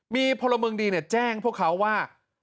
มีพลเมืองดีแจ้งพวกเขาว่า